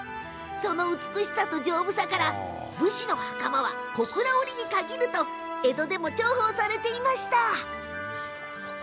その美しさと丈夫さから「武士の袴は小倉織に限る」と江戸でも重宝されていました。